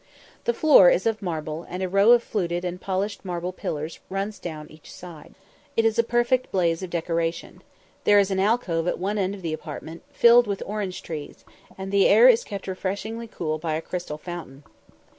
The floor is of marble, and a row of fluted and polished marble pillars runs down each side. It is a perfect blaze of decoration. There is an alcove at one end of the apartment, filled with orange trees, and the air is kept refreshingly cool by a crystal fountain.